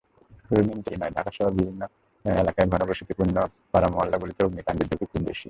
শুধু নিমতলী নয়, ঢাকাসহ দেশের বিভিন্ন এলাকার ঘনবসতিপূর্ণ পাড়া-মহল্লাগুলোতে অগ্নিকাণ্ডের ঝুঁকি খুব বেশি।